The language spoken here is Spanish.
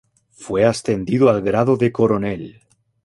Fue ascendido al grado de coronel.